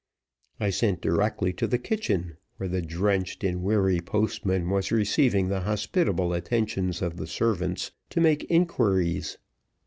I sent directly to the kitchen (where the drenched and weary postman was receiving the hospitable attentions of the servants) to make inquiries.